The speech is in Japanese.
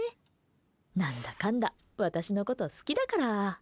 何だかんだ私のこと好きだから。